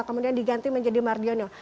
kemudian diganti menjadi marjono